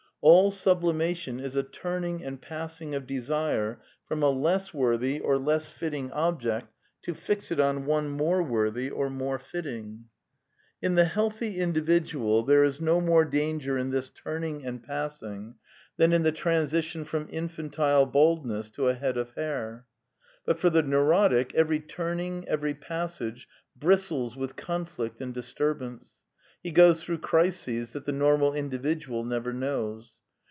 All sublimation is a turning and passing of desire from a less worthy or less fitting object to fix it on one more worthy or more fitting. In the healthy individual there is no more danger in this turning and passing than in the transition from infantile baldness to a head of hair. But for the neuro tic every turning, every passage, bristles with conflict and^disturb ance. He goes through crises that the normal individual never knows.